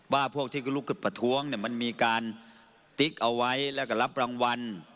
ว่าพวกที่ก็ลุกประท้วงมันมีการติ๊กเอาไว้แล้วก็รับรางวัล